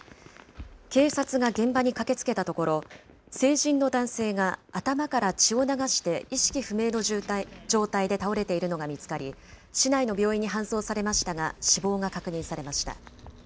警察が現場に駆けつけたところ、成人の男性が、頭から血を流して意識不明の状態で倒れているのが見つかり、市内の病院に搬送されましたが、死亡が確認されました。